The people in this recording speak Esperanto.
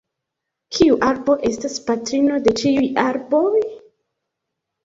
Kiu arbo estas patrino de ĉiuj arboj?